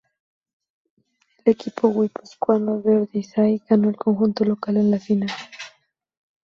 El equipo guipuzcoano de Ordizia ganó al conjunto local en la final.